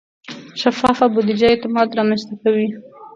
شفافه بودیجه اعتماد رامنځته کوي.